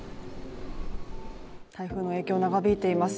台風の影響、長引いています。